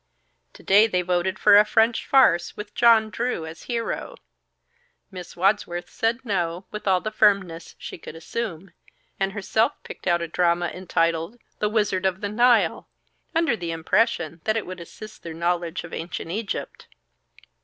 To day they voted for a French farce with John Drew as hero. Miss Wadsworth said "no" with all the firmness she could assume, and herself picked out a drama entitled "The Wizard of the Nile," under the impression that it would assist their knowledge of ancient Egypt.